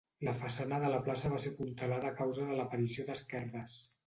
La façana de la plaça va ser apuntalada a causa de l'aparició d'esquerdes.